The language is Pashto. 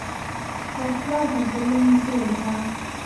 وسله د ظلم زور ده